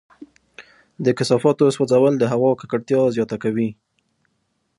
د کثافاتو سوځول د هوا ککړتیا زیاته کوي.